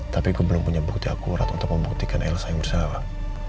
tapi gue belum punya bukti akurat untuk membuktikan elsa yang bersalah